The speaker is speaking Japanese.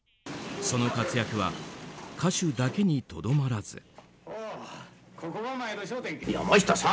その活躍は歌手だけにとどまらず。